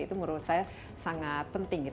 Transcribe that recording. itu menurut saya sangat penting